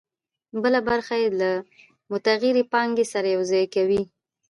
بله برخه یې له متغیرې پانګې سره یوځای کوي